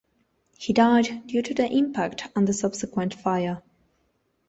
He died due to the impact and the subsequent fire.